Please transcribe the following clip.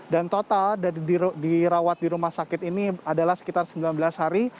dan total dirawat di rumah sakit ini adalah sekitar sembilan belas hari